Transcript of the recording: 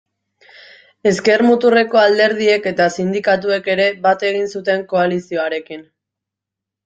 Ezker-muturreko alderdiek eta sindikatuek ere bat egin zuten koalizioarekin.